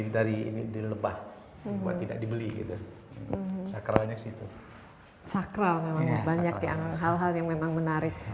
dari ini dilebah buat tidak dibeli gitu sakralnya situ sakral memang banyak yang hal hal yang memang menarik